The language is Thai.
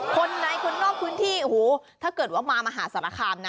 คนไหนคนนอกคุณที่ถ้าเกิดว่ามามหาสารคามนะ